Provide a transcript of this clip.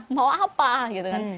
mau apa gitu kan